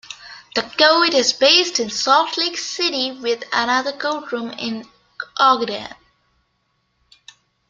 The court is based in Salt Lake City with another courtroom in Ogden.